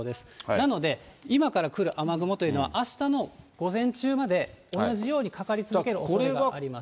なので、今から来る雨雲というのは、あしたの午前中まで同じようにかかり続けるおそれがあります。